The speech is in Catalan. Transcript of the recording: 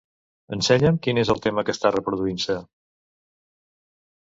Ensenya'm quin és el tema que està reproduint-se.